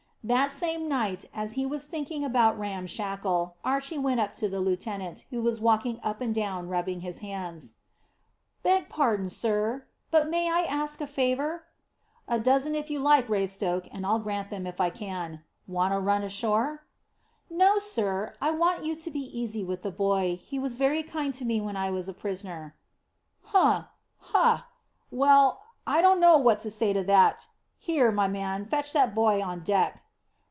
That same night, as he was thinking about Ram Shackle, Archy went up to the lieutenant, who was walking up and down rubbing his hands. "Beg pardon, sir, but may I ask a favour?" "A dozen if you like, Raystoke, and I'll grant them if I can. Want a run ashore?" "No, sir. I want you to be easy with that boy. He was very kind to me when I was a prisoner." "Hum! Hah! Well, I don't know what to say to that. Here, my man, fetch that boy on deck."